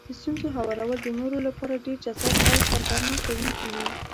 د ستونزو هوارول د نورو لپاره ډېر جذاب او سرګرمه کوونکي وي.